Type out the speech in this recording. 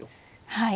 はい。